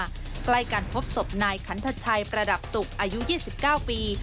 ใกล้กันพบศพนายขันทชัยประดับศุกร์อายุ๒๙ปี